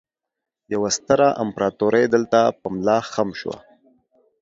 يوه ستره امپراتورۍ دلته په ملا خم شوه